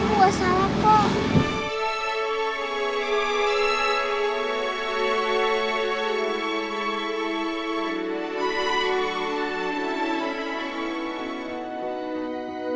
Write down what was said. kamu nggak salah kok